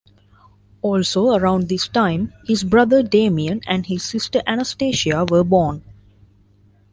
Also around this time his brother Damian and his sister Anastasia were born.